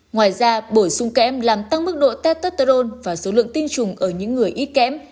ngoài ra bổ sung kém làm tăng mức độ tetetron và số lượng tinh chủng ở những người ít kém